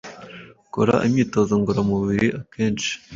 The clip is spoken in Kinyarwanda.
kora Imyitozo ngororamubiri akenshi